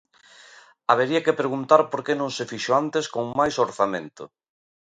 Habería que preguntar por que non se fixo antes con máis orzamento.